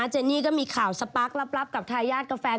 เจนียก็มีข่าวสปั๊กลับกับทายญาติกาแฟ